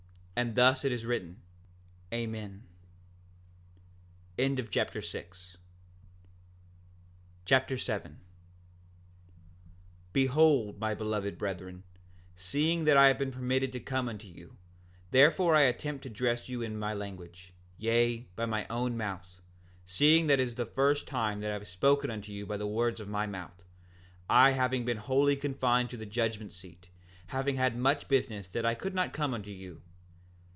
And thus it is written. Amen. Alma Chapter 7 7:1 Behold my beloved brethren, seeing that I have been permitted to come unto you, therefore I attempt to address you in my language; yea, by my own mouth, seeing that it is the first time that I have spoken unto you by the words of my mouth, I having been wholly confined to the judgment seat, having had much business that I could not come unto you.